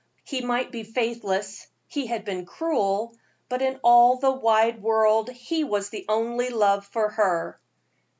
He might be faithless, he had been cruel, but in all the wide world he was the only love for her.